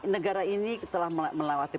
negara ini telah melalui